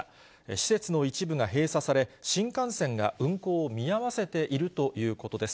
施設の一部が閉鎖され、新幹線が運行を見合わせているということです。